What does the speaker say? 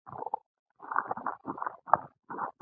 ژر به معلومه شي، ګلداد خان په دې اړه سوچ کوي.